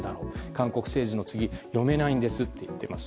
韓国政治の次、読めないんですと言っています。